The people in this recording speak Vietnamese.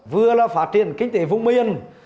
vừa là phát triển kinh tế vùng miền